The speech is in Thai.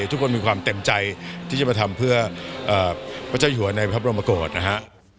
ทุกคนมีความเต็มใจที่จะมาทำเพื่อพระเจ้าหญิงหัวในภาพรมโปรดนะฮะ